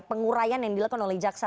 pengurayan yang dilakukan oleh jaksa